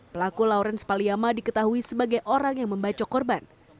pelaku lawrence paliama diketahui sebagai orang yang membacok korban